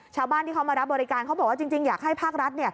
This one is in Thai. ชาวบ้านที่เขามารับบริการเขาบอกว่าจริงอยากให้ภาครัฐ